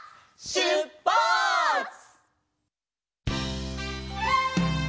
しゅっぱつ！